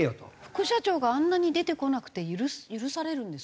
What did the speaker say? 副社長があんなに出てこなくて許されるんですか？